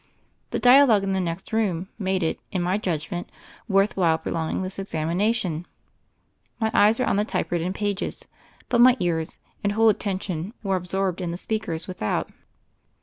The dialogue, in the next room, made it, in my judgment, worth while prolonging this examination. My eyes were on the typewritten pages, but my ears and whole attention were absorbed in the speakers without.